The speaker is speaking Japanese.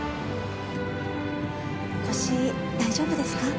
腰大丈夫ですか？